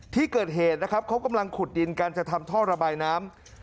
ที่เกิดเหตุนะครับเขากำลังขุดดินกันจะทำท่อระบายน้ำ